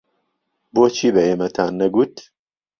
بۆچی بە ئێمەتان نەگوت؟